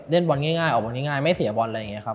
เล่นบอลง่ายออกมาง่ายไม่เสียบอลอะไรอย่างนี้ครับ